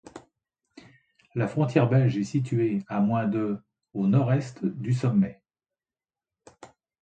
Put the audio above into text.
La frontière belge est située à moins de au nord-est du sommet.